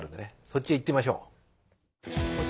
そっちへ行ってみましょう。